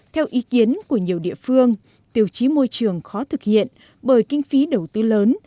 theo ý kiến của nhiều địa phương tiêu chí môi trường khó thực hiện bởi kinh phí đầu tư lớn